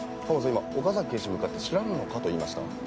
今岡崎警視に向かって知らんのかと言いました？